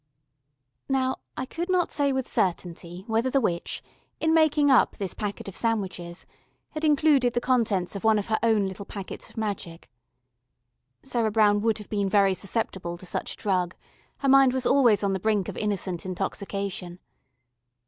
Now I could not say with certainty whether the witch, in making up this packet of sandwiches, had included the contents of one of her own little packets of magic. Sarah Brown would have been very susceptible to such a drug; her mind was always on the brink of innocent intoxication.